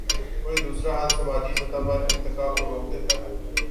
کوئی دوسرا حل سماجی سطح پر ارتقا کو روک دیتا ہے۔